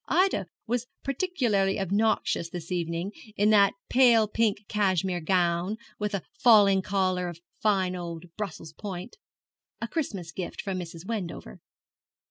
Ida was particularly obnoxious this evening, in that pale pink cashmere gown, with a falling collar of fine old Brussels point, a Christmas gift from Mrs. Wendover.